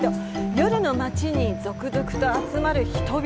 夜の街に続々と集まる人々。